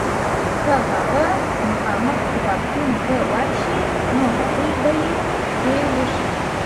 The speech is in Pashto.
که هغه مخامخ کتابتون ته ورشې نو هغوی به یې در وښیي.